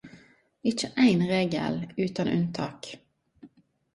Ikkje ein regel utan unntak.